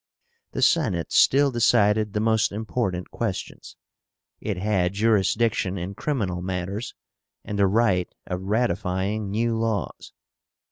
The Senate still decided the most important questions. It had jurisdiction in criminal matters, and the right of ratifying new laws.